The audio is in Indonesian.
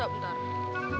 kalau mau minum beli